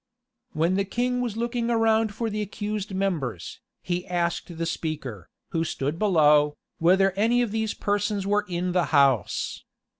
[*] When the king was looking around for the accused members, he asked the speaker, who stood below, whether any of these persons were in the house.